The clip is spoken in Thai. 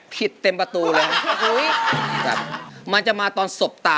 ผิดเต็มประตูเลยครับ